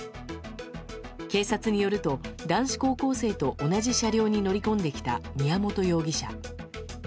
警察によると男子高校生と同じ車両に乗り込んできた宮本容疑者。